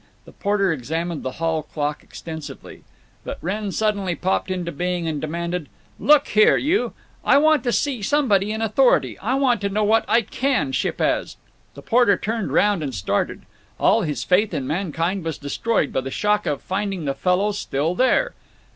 The porter examined the hall clock extensively. Bill Wrenn suddenly popped into being and demanded: "Look here, you; I want to see somebody in authority. I want to know what I can ship as." The porter turned round and started. All his faith in mankind was destroyed by the shock of finding the fellow still there.